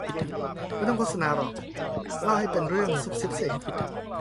ไม่ต้องโฆษณาหรอก เล่าให้เป็นเรื่องซุบซิบสิ